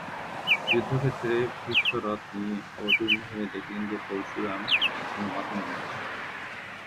যুদ্ধক্ষেত্রে ভীষ্ম রথ নিয়ে অবতীর্ণ হয়ে দেখলেন যে পরশুরাম কোনো বাহন নেননি।